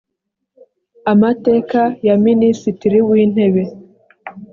amateka ya minisitiri w’intebe